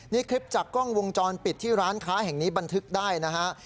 นี่คลิปจากกล้องวงจรปิดที่ร้านค้าแห่งนี้บันทึกได้นะฮะ